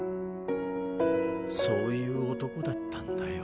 そういう男だったんだよ。